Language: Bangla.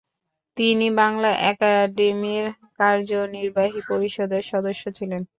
তিনি বাংলা একাডেমীর কার্যনির্বাহী পরিষদের সদস্য ছিলেন।